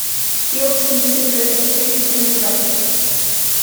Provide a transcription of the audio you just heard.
He ought to consider it included in the rent.